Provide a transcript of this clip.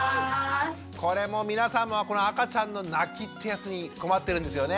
皆さんも赤ちゃんの泣きってやつに困ってるんですよね？